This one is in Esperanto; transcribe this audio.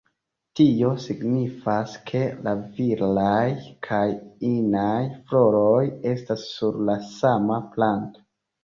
Tio signifas, ke la viraj kaj inaj floroj estas sur la sama planto.